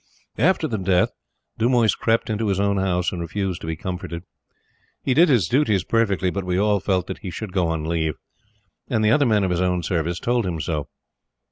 After the death, Dumoise crept into his own house and refused to be comforted. He did his duties perfectly, but we all felt that he should go on leave, and the other men of his own Service told him so.